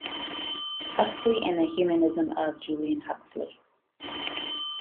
Huxley and the humanism of Julian Huxley.